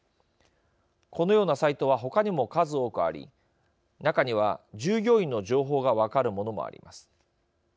このようなサイトは他にも数多くあり中には従業員の情報が分かるものもあります。